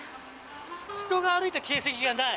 人が歩いた形跡がない。